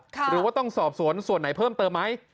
หรือว่าต้องสอบสวนส่วนไหนเพิ่มเติมไหม